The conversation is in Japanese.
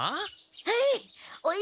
はい。